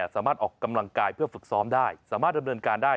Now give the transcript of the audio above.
สามารถออกกำลังกายเพื่อฝึกซ้อมได้สามารถดำเนินการได้